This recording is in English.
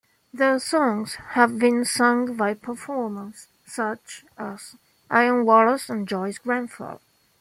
Their songs have been sung by performers such as Ian Wallace and Joyce Grenfell.